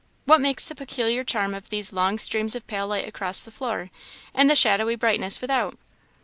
What makes the peculiar charm of these long streams of pale light across the floor? and the shadowy brightness without?"